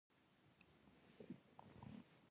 پنځه پنځوس متره ټوکر په غنمو مبادله شو